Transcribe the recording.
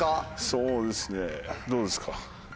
そうですねどうですか？